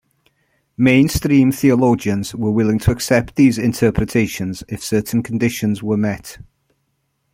Mainstream theologians, were willing to accept these interpretations if certain conditions were met.